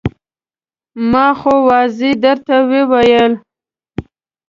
ما خو واضح درته وویل.